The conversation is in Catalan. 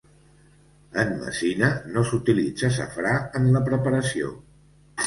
En Messina no s'utilitza safrà en la preparació.